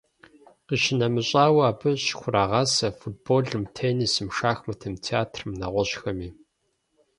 Къищынэмыщӏауэ, абы щыхурагъасэ футболым, теннисым, шахматым, театрым нэгъуэщӏхэми.